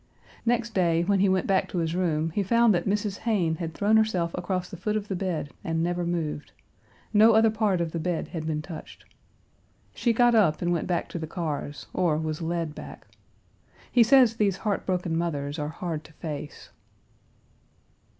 Next day, when he went back to his room he found that Mrs. Hayne had thrown herself across the foot of the bed and never moved. No other part of the bed had been touched. She got up and went back to the cars, or was led back. He says these heartbroken mothers are hard to face.